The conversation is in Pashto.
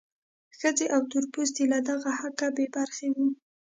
ښځې او تور پوستي له دغه حقه بې برخې وو.